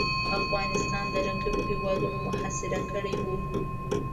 افغانستان د رقیبو هیوادونو محاصره کړی وو.